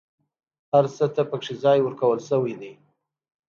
هر څه ته پکې ځای ورکول شوی دی.